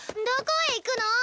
どこへ行くの？